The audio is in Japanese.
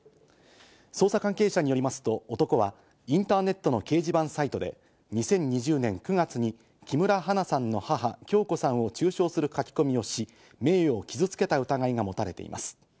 捜査関係者によりますと男はインターネットの掲示板サイトで２０２０年９月に木村花さんの母・響子さんを中傷する書き込みをし、名誉を傷つけた疑いが持たれています。